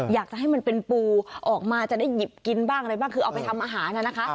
อยากจะให้มันเป็นปูออกมาจะได้หยิบกินบ้างอะไรบ้างคือเอาไปทำอาหารนะคะ